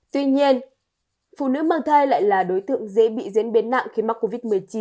tuy nhiên phụ nữ mang thai lại là đối tượng dễ bị diễn biến nặng khi mắc covid một mươi chín